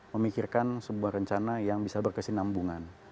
memikirkan sebuah rencana yang bisa berkesinambungan